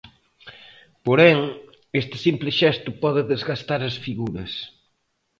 Porén, este simple xesto pode desgastar as figuras.